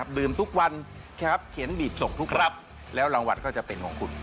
ดื่มทุกวันครับเขียนบีบส่งทุกรับแล้วรางวัลก็จะเป็นของคุณ